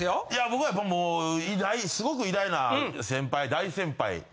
僕はやっぱもうすごく偉大な先輩大先輩。